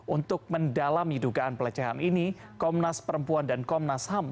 untuk mendalami dugaan pelecehan ini komnas perempuan dan komnas ham